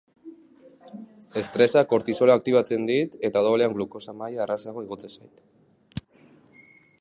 Estresak kortisola aktibatzen dit eta odolean glukosa maila errazago igotzen zait.